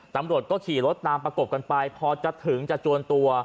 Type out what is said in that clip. ตำรวจก็ขี่รถตามประกบกันไปพอจะถึงจะจวนตัว